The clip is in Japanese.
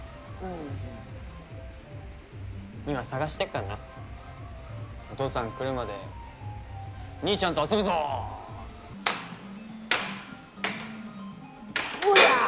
今捜してっからなお父さん来るまで兄ちゃんと遊ぶぞおりゃー！